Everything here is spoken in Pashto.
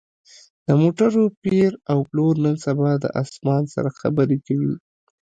د موټرو پېر او پلور نن سبا د اسمان سره خبرې کوي